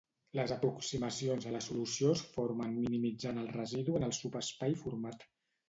Les aproximacions a la solució es formen minimitzant el residu en el subespai format.